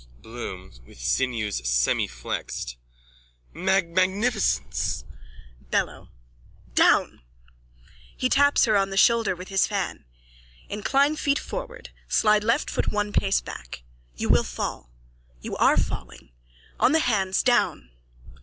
BLOOM: (With sinews semiflexed.) Magmagnificence! BELLO: Down! (He taps her on the shoulder with his fan.) Incline feet forward! Slide left foot one pace back! You will fall. You are falling. On the hands down!